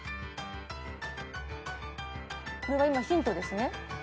これは今ヒントですね？